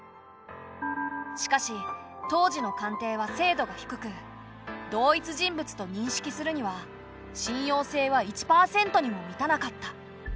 しかし当時の鑑定は精度が低く同一人物と認識するには信用性は１％にも満たなかった。